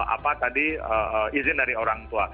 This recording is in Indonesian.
apa tadi izin dari orang tua